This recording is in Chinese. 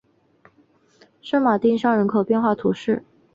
圣马丁乡人口变化图示